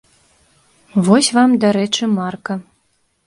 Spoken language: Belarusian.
Вось вам, дарэчы, марка.